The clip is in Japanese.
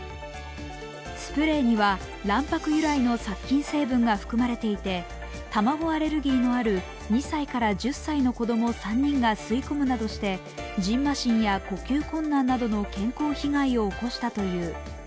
スプレーには卵白由来の殺菌成分が含まれていて、卵アレルギーのある２歳から１０歳の子供３人が吸い込むなどして、じんましんや呼吸困難などの健康被害を起こしたという。